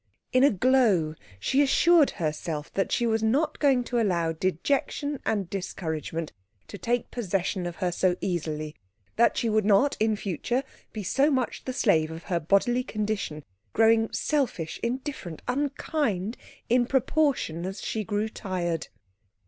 In a glow she assured herself that she was not going to allow dejection and discouragement to take possession of her so easily, that she would not, in future, be so much the slave of her bodily condition, growing selfish, indifferent, unkind, in proportion as she grew tired.